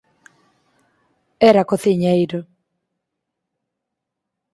Era cociñeiro.